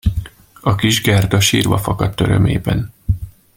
A kis Gerda sírva fakadt örömében.